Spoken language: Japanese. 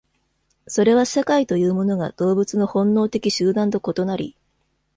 それは社会というものが動物の本能的集団と異なり、